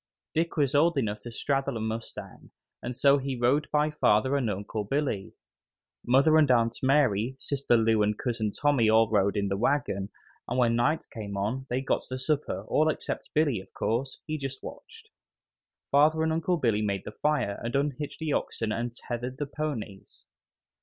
Dick was old enough to straddle a mustang, and so he rode by father and Uncle Billy. Mother and Aunt Mary, Sister Lou and Cousin Tommy all rode in the wagon, and when night came on they got the supper, all except Billy, of course; he just watched. Father and Uncle Billy made the fire and unhitched the oxen and tethered the ponies.